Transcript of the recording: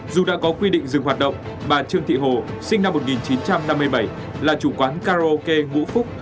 dù đã có quy định dừng hoạt động bà trương thị hồ sinh năm một nghìn chín trăm năm mươi bảy là chủ quán karaoke ngũ phúc